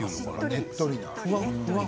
ねっとりだ。